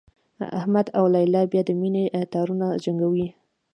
احمد او لیلا بیا د مینې تارونه جنګوي.